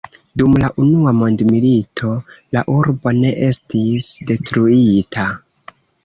Dum la unua mondmilito la urbo ne estis detruita.